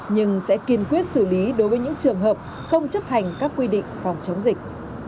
nhưng sẽ kiên quyết xử lý đối với những trường hợp không chấp hành các quy định phòng chống dịch